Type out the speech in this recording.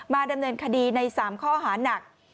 ดำเนินคดีใน๓ข้อหานัก